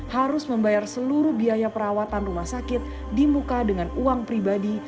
harus membayar seluruh biaya perawatan rumah sakit di muka dengan uang pribadi